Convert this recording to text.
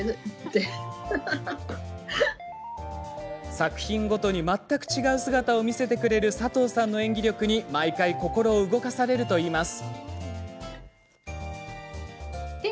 作品ごとに全く違う姿を見せてくれる佐藤さんの演技力に毎回心を動かされるといいます。